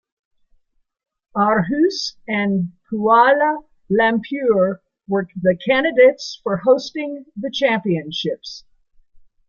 Aarhus and Kuala Lumpur were the candidates for hosting the championships.